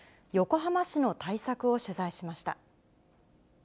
横浜市の対策を取材しました。